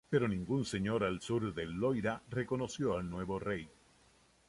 Pero ningún señor al sur del Loira reconoció al nuevo rey.